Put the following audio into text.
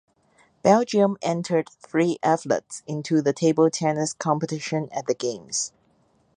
Belgium entered three athletes into the table tennis competition at the games.